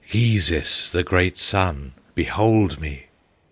Gheezis, the great Sun, behold me!"